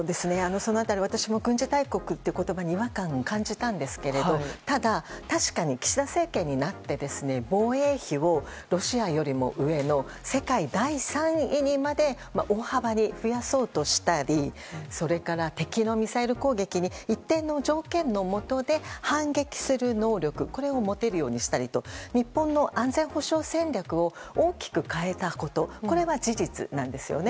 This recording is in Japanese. その辺り私も軍事大国という言葉に違和感を感じたんですけれどただ、確かに岸田政権になって防衛費をロシアよりも上の世界第３位にまで大幅に増やそうとしたりそれから、敵のミサイルに攻撃に一定の条件のもとで反撃する能力を持てるようにしたりと日本の安全保障戦略を大きく変えたことこれは事実なんですよね。